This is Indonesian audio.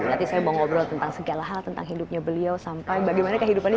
berarti saya mau ngobrol tentang segala hal tentang hidupnya beliau sampai bagaimana kehidupannya